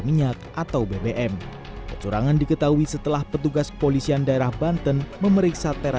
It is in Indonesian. minyak atau bbm kecurangan diketahui setelah petugas kepolisian daerah banten memeriksa tera